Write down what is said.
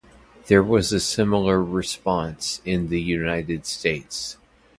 There was a similar response in the United States.